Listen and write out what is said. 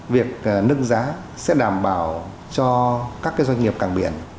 việc nâng giá sẽ đảm bảo cho các doanh nghiệp càng biển